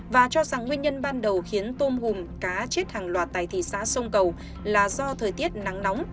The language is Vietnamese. và cho rằng nguyên nhân ban đầu khiến tôm hùm cá chết hàng loạt tại thị xã sông cầu là do thời tiết nắng nóng